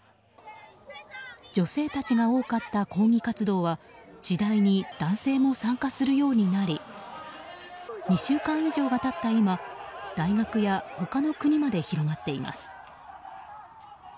女性たちが多かった抗議活動は次第に男性も参加するようになり２週間以上が経った今大学や他の国まで広がっています。